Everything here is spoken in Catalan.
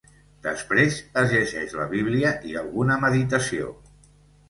Després es llegeix la Bíblia i alguna meditació.